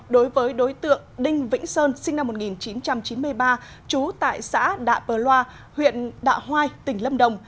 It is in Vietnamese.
đối với đối tượng đinh vĩnh sơn sinh năm một nghìn chín trăm chín mươi ba trú tại xã đạ bờ loa huyện đạ hoai tỉnh lâm đồng